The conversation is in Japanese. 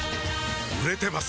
売れてます